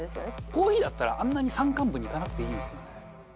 コーヒーだったらあんなに山間部に行かなくていいですよね。